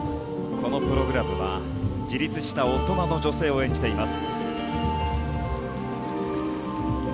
このプログラムは自立した大人の女性を演じています。